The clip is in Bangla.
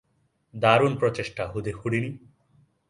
দারুণ প্রচেষ্টা, হুডিনি।